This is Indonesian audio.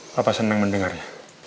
papa senang mendengarnya